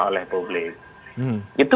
oleh publik itu